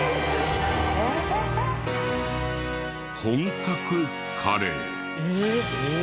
「本格カレー」ええっ？